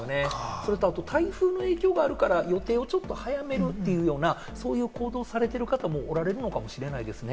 それと台風の影響があるから予定を早めるというような、そういう行動をされてる方もおられるかもしれないですね。